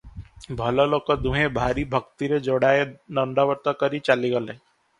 ଭଲଲୋକ ଦୁହେଁ ଭାରି ଭକ୍ତିରେ ଯୋଡ଼ାଏ ଦଣ୍ଡବତ କରି ଚାଲିଗଲେ ।